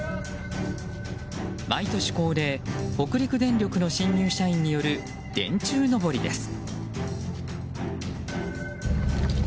毎年恒例、北陸電力の新入社員による電柱登りです。